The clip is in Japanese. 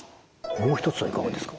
もう一つはいかがですか。